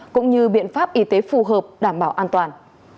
cũng như biện pháp y tế phù hợp đảm bảo an toàn